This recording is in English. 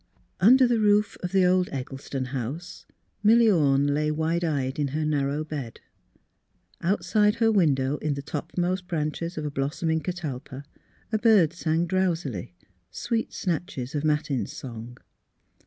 Under the roof of the old Eggleston house, Milly Orne lay wide eyed in her narrow bed; outside her window in the topmost branches of a blossoming catalpa a bird sang drowsily sweet snatches of matin song.